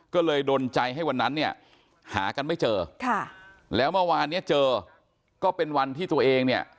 ก็เลยดนใจให้วันนั้นเนี่ยหากันไม่เจอค่ะแล้วเมื่อวานเนี่ยเจอก็เป็นวันที่ตัวเองเนี่ย